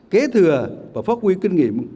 kế thừa và phát huy kinh nghiệm